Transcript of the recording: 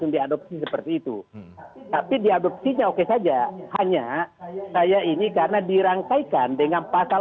diadopsi seperti itu tapi diadopsinya oke saja hanya saya ini karena dirangkaikan dengan pasal